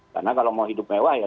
karena kalau mau hidup mewah ya